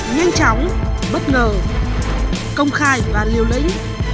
nhanh chóng bất ngờ công khai và liều lĩnh